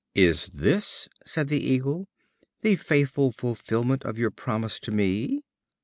"Is this," said the Eagle, "the faithful fulfillment of your promise to me?"